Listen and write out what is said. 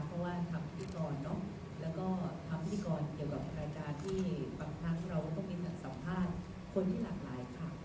เพราะว่าทำพิธีกรเนอะแล้วก็ทำพิธีกรเกี่ยวกับรายการที่บางครั้งเราก็ต้องมีการสัมภาษณ์คนที่หลากหลายค่ะ